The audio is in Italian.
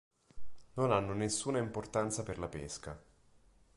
Non hanno nessuna importanza per la pesca.